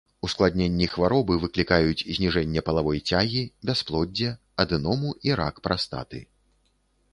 Ускладненні хваробы выклікаюць зніжэнне палавой цягі, бясплоддзе, адэному і рак прастаты.